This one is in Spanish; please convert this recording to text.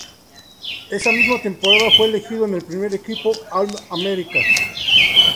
Esa misma temporada fue elegido en el primer equipo All-American.